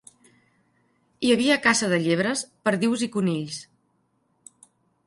Hi havia caça de llebres, perdius i conills.